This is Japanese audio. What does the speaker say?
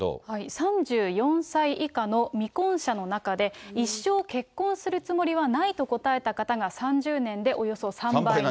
３４歳以下の未婚者の中で、一生結婚するつもりはないと答えた方が３０年でおよそ３倍に。